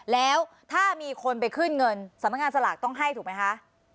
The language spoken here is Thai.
แล้วถ้ามีคนไปขึ้นเงินสำนักงานสลากต้องให้ถูกไหมคะ